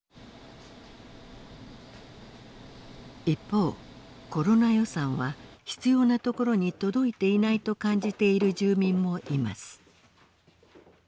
一方コロナ予算は必要なところに届いていないと感じている住民もいます。